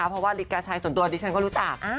เพราะว่าลิกาชัยส่วนตัวดิฉันก็รู้จัก